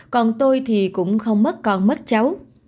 còn tôi thì cũng không mất con mất cháu